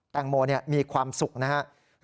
งโมมีความสุขนะครับ